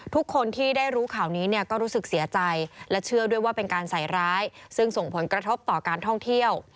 ทุกคนที่ได้รู้ข่าวนี้เนี่ยก็รู้สึกเสียใจและเชื่อด้วยว่าเป็นการใส่ร้ายซึ่งส่งผลกระทบต่อการท่องเที่ยว